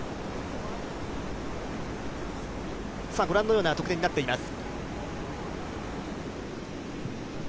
ご覧のような得点になっています。